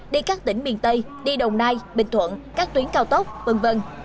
đi các tỉnh miền tây đi đồng nai bình thuận các tuyến cao tốc v v